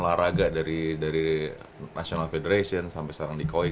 olahraga dari dari national federation sampai sekarang dikonsumsi